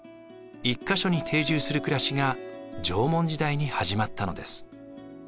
１か所に定住する暮らしが縄文時代に始まったのです。